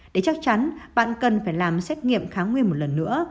để chắc chắn bạn cần phải làm xét nghiệm kháng nguyên một lần nữa